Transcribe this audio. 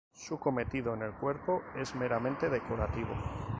Su cometido en el cuerpo es meramente decorativo.